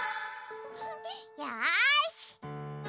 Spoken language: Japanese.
よし！